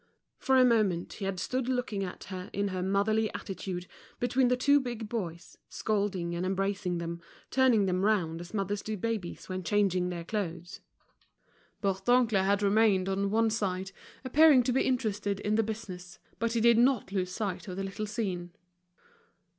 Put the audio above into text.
For a moment he had stood looking at her in her motherly attitude between the two big boys, scolding and embracing them, turning them round as mothers do babies when changing their clothes. Bourdoncle had remained on one side, appearing to be interested in the business, but he did not lose sight of this little scene.